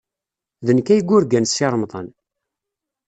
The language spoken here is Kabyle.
D nekk ay yurgan Si Remḍan.